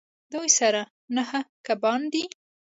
دوی سره نهه کبان دي